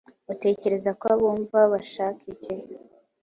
Utekereza ko abumva bashaka iki?